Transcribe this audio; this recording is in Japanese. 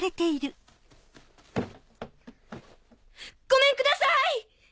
ごめんください！